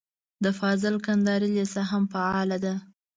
د فاضل کندهاري لېسه هم فعاله ده.